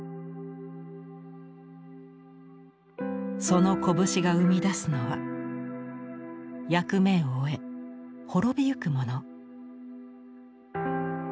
その拳が生み出すのは役目を終え滅びゆくモノ。